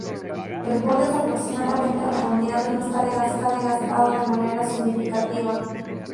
El borde es aproximadamente redondeado y no está desgastado de manera significativa.